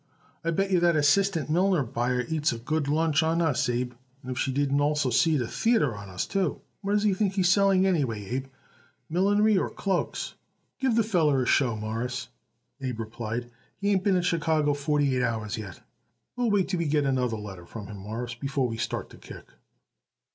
I bet yer that assistant millinery buyer eats a good lunch on us, Abe, if she didn't also see it a theayter on us, too. What does he think he's selling, anyway, Abe, millinery or cloaks?" "Give the feller a show, Mawruss," Abe replied. "He ain't been in Chicago forty eight hours yet. We'll wait till we get it another letter from him, Mawruss, before we start to kick."